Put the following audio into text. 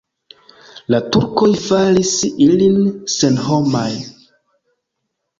La turkoj faris ilin senhomaj.